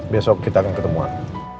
besok kita akan ketemuan